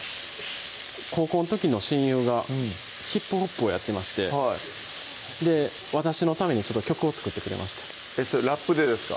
高校の時の親友がヒップホップをやってまして私のために曲を作ってくれましたそれラップでですか？